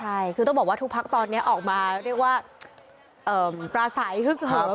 ใช่คือต้องบอกว่าทุกพักตอนนี้ออกมาเรียกว่าปลาใสฮึกเหิม